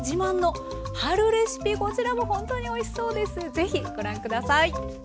ぜひご覧下さい。